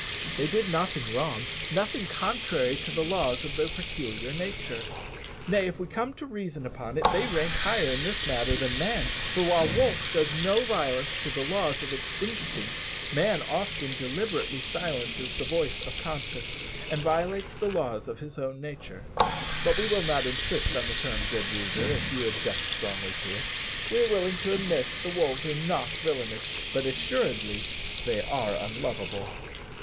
They did nothing wrong nothing contrary to the laws of their peculiar nature. Nay, if we come to reason upon it, they rank higher in this matter than man; for while the wolf does no violence to the laws of its instincts, man often deliberately silences the voice of conscience, and violates the laws of his own nature. But we will not insist on the term, good reader, if you object strongly to it. We are willing to admit that the wolves are not villanous, but, assuredly, they are unlovable.